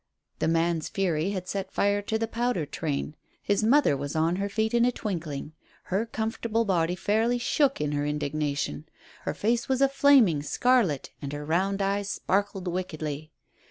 The man's fury had set fire to the powder train. His mother was on her feet in a twinkling. Her comfortable body fairly shook in her indignation. Her face was a flaming scarlet, and her round eyes sparkled wickedly.